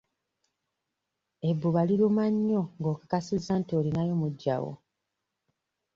Ebbuba liruma nnyo ng'okakasizza nti olinayo muggyawo.